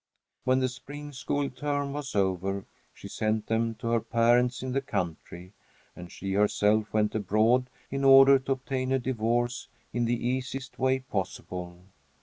When the spring school term was over, she sent them to her parents in the country, and she herself went abroad in order to obtain a divorce in the easiest way possible.